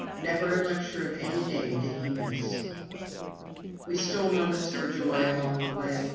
Never a lecture of any day did he miss. We stole moments for joy along the way.